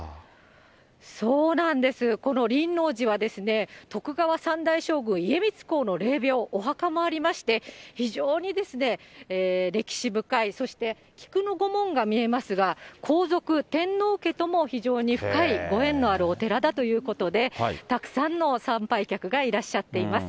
そうなんです、この輪王寺は、徳川三代将軍家光公の霊びょう、お墓もありまして、非常に歴史深い、そして菊のご紋が見えますが、皇族、天皇家とも非常に深いご縁のあるお寺だということで、たくさんの参拝客がいらっしゃっています。